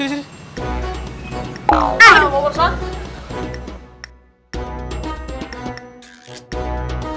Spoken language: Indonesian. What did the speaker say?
ustadz mau berusaha